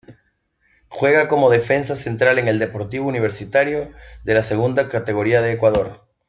Juega como Defensa central en el Deportivo Universitario de la Segunda Categoria de Ecuador.